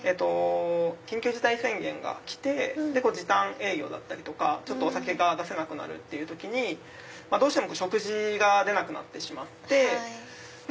緊急事態宣言が来て時短営業だったりとかお酒が出せなくなるっていう時どうしても食事が出なくなってしまって。